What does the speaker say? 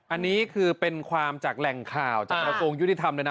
อันนี้คือเป็นความจากแหล่งข่าวจากกระทรวงยุติธรรมเลยนะ